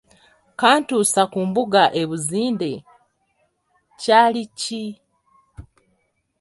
Kantuusa ku mbuga e Buzinde Kyali ki?